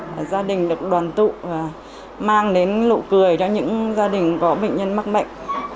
để gia đình được đoàn tụ và mang đến lụ cười cho những gia đình có bệnh nhân mắc bệnh